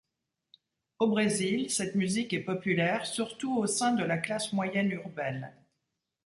Au Brésil, cette musique est populaire surtout au sein de la classe moyenne urbaine.